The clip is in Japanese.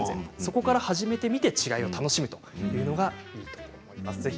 そこから始めてみて違いを楽しむというのがいいと思います。